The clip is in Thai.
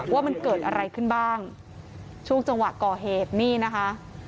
ว่ามันเกิดอะไรขึ้นบ้างช่วงจังหวะก่อเหตุนี่นะคะ